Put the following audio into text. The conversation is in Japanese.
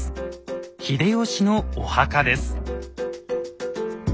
秀吉のお墓です。